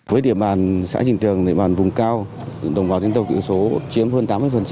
với địa bàn xã trịnh tường địa bàn vùng cao đồng bào dân tộc kỹ số chiếm hơn tám mươi